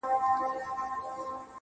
او کاروبار به هم کوي